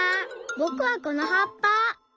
ぼくはこのはっぱ。